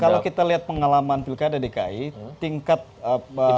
kalau kita lihat pengalaman pilkada dki tingkat pemilih ya